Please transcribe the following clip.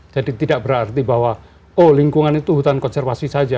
jadi tidak berarti bahwa oh lingkungan itu hutan konservasi saja